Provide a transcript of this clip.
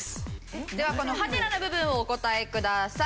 ではこのハテナの部分をお答えください。